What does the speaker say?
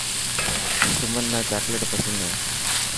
سمن نا چاڪليٽ پسند هي